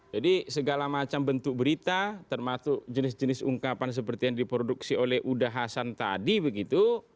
segala macam bentuk berita termasuk jenis jenis ungkapan seperti yang diproduksi oleh uda hasan tadi begitu